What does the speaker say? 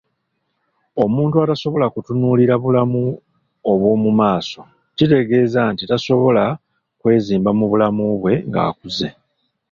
Omuntu atasobola kutunuulira bulamu obw'omu maaso kitegeeza nti tasobola kwezimba mu bulamu bwe ng'akuze.